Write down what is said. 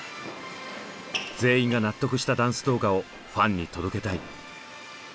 全員が納得したダンス動画をファンに届けたい。